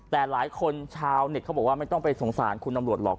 แต่หลายคนชาวเน็ตเขาบอกว่าไม่ต้องไปสงสารคุณตำรวจหรอก